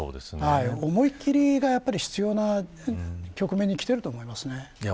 思い切りが必要な局面に来ていると思いますね。